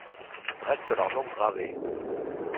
Reste leur nom gravé.